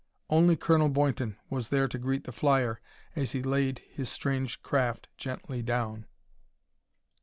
Only Colonel Boynton was there to greet the flyer as he laid his strange craft gently down.